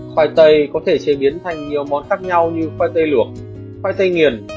khoai tây có thể chế biến thành nhiều món khác nhau như khoai tây luộc khoai tây nghiền